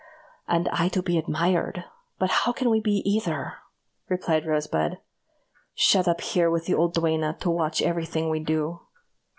"And I to be admired! but how can we be either?" replied Rosebud, "shut up here, with the old duenna to watch every thing we do?